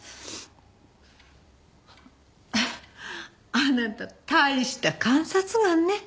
あなた大した観察眼ね。